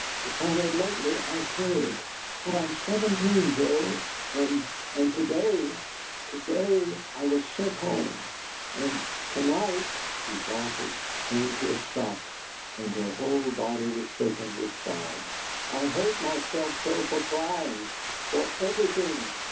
It's only lately I've cared, but I'm seventeen, Joe, and and to day to day I was sent home and to night " She faltered, came to a stop, and her whole body was shaken with sobs. "I hate myself so for crying for everything!"